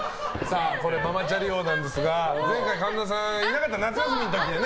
ママチャリ王なんですが前回、神田さんいない夏休みの時ね。